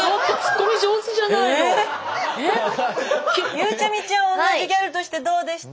ゆうちゃみちゃんは同じギャルとしてどうでした？